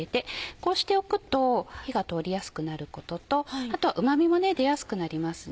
こうしておくと火が通りやすくなることとあと旨味も出やすくなりますね。